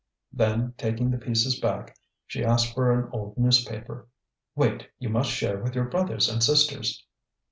Then, taking the pieces back, she asked for an old newspaper: "Wait, you must share with your brothers and sisters."